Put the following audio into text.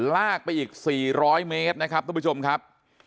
ลากไปอีก๔๐๐เมตรนะครับทุกผู้ชมครับ